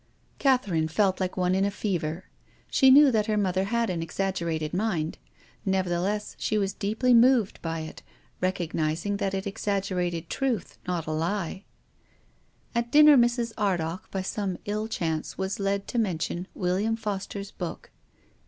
Catherine felt like one in a fever. She knew that her mother had an exaggerated mind. Nev ertheless, she was deeply moved by it, recognis ing that it exaggerated truth, not a lie. At dinner Mrs. Ardagh, by some ill chance, was led to mention " William Foster's " book.